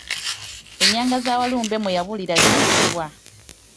Ennyanga za Walumbe mwe yabulira ziyitibwa?